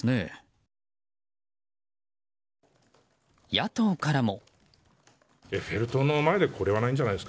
野党からも。